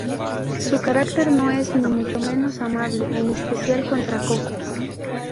Su carácter no es ni mucho menos amable, en especial contra Coco.